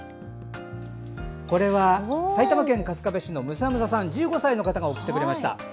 これは埼玉県春日部市のむさむささん、１５歳の方が送ってくれました。